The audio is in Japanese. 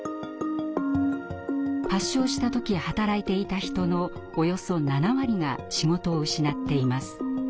発症した時働いていた人のおよそ７割が仕事を失っています。